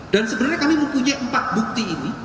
dan sebenarnya kami mempunyai empat bukti ini